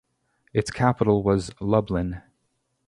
Its capital was Lublin.